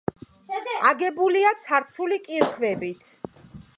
აგებულია ცარცული კირქვებით.